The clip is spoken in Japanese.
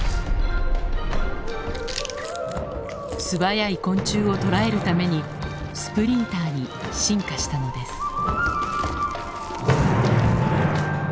素早い昆虫を捕らえるためにスプリンターに進化したのです。